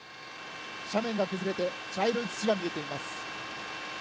斜面が崩れて茶色い土が見えています。